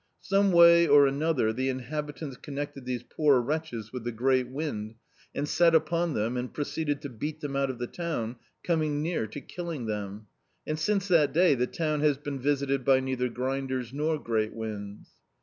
Some way or another the inhabitants con nected these poor wretches with the great wind, and set upon them, and proceeded to beat them out of the town, coming near to killing them; and, since that day the town has been visited by neitfier grinders nor great winds.